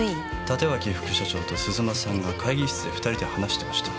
立脇副社長と鈴間さんが会議室で二人で話してました